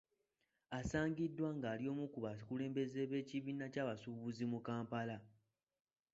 Asangiddwa ng’ali omu ku bakulembeze b’ekibiina by’abasuubuzi mu Kampala.